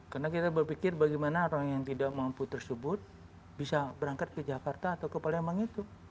karena kita berpikir bagaimana orang yang tidak mampu tersebut bisa berangkat ke jakarta atau ke palembang itu